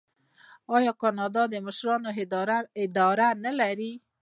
آیا کاناډا د مشرانو اداره نلري؟